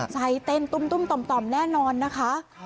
ใจเต้นตุ้มต่อมแน่นอนนะคะ